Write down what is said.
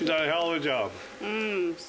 うん。